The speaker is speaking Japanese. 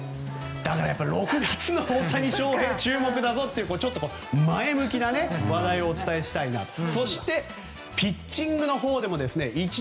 ６月の大谷翔平に注目だぞということでちょっと前向きな話題をお伝えしたいなと。